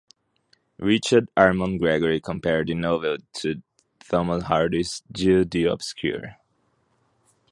Richard Arman Gregory compared the novel to Thomas Hardy's "Jude the Obscure".